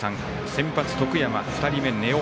先発、徳山、２人目、根尾